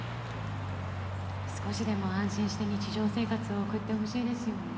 少しでも安心して日常生活を送ってほしいですよね。